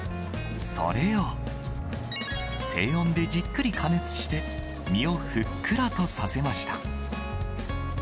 それを低温でじっくり加熱して、身をふっくらとさせました。